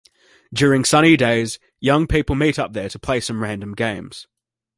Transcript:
During sunny days, young people meet up there to play some random games.